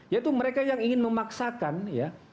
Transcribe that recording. yaitu mereka yang ingin memaksakan ya